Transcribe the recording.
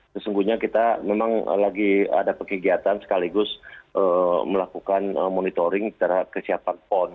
sesungguhnya kita memang lagi ada kegiatan sekaligus melakukan monitoring terhadap kesiapan pon